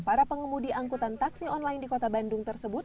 para pengemudi angkutan taksi online di kota bandung tersebut